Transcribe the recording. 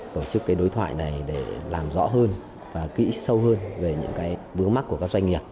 tổ chức cái đối thoại này để làm rõ hơn và kỹ sâu hơn về những vướng mắt của các doanh nghiệp